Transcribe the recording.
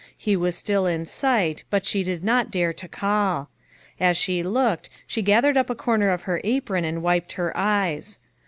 He was still in sight, hut she did not dare to call. As she looked, she gathered up a corner of her apron and wiped her eyes.